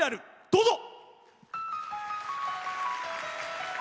どうぞ。